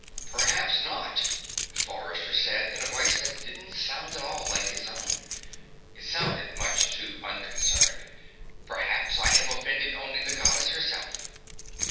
"Perhaps not," Forrester said, in a voice that didn't sound at all like his own to him. It sounded much too unconcerned. "Perhaps I have offended only the Goddess herself."